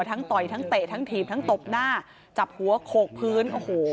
ต่อยทั้งเตะทั้งถีบทั้งตบหน้าจับหัวโขกพื้นโอ้โห